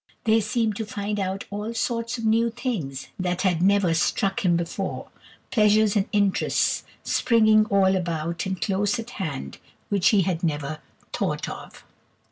They seemed to find out all sorts of new things that had never struck him before; pleasures and interests springing all about and close at hand which he had never thought of.